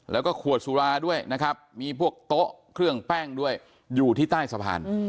แล้วก็ขวดสุราด้วยนะครับมีพวกโต๊ะเครื่องแป้งด้วยอยู่ที่ใต้สะพาน